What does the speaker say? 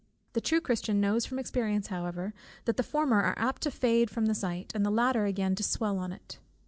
The true Christian knows from experience however, that the former are apt to fade from the sight, and the latter again to swell on it.